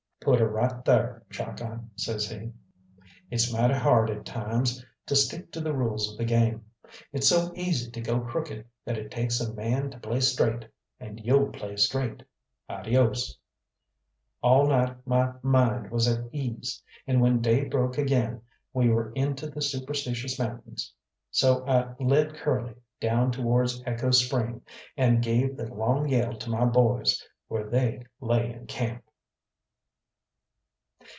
"Put her right thar, Chalkeye," says he; "it's mighty hard at times to stick to the rules of the game. It's so easy to go crooked that it takes a man to play straight and you'll play straight. Adios!" All night my mind was at ease, and when day broke again we were into the Superstitious Mountains. So I led Curly down towards Echo Spring, and gave the long yell to my boys where they lay in camp.